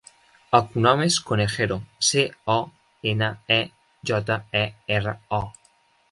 El cognom és Conejero: ce, o, ena, e, jota, e, erra, o.